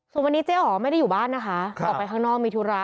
ส่วนวันนี้เจ๊อ๋อไม่ได้อยู่บ้านนะคะออกไปข้างนอกมีธุระ